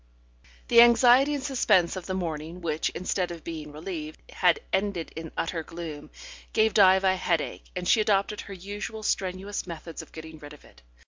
The anxiety and suspense of the morning, which, instead of being relieved, had ended in utter gloom, gave Diva a headache, and she adopted her usual strenuous methods of getting rid of it.